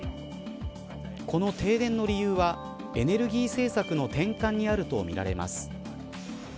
この停電の理由はエネルギー政策の転換にあるとみられます。